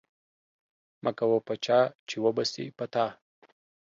مکوه په چاه چې و به سي په تا.